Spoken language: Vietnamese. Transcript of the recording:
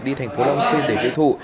đi thành phố long xuyên để tiêu thụ